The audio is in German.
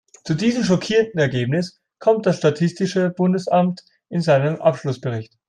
Zu diesem schockierenden Ergebnis kommt das statistische Bundesamt in seinem Abschlussbericht.